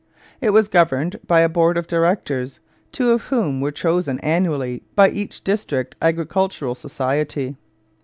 It was governed by a board of directors, two of whom were chosen annually by each district agricultural society.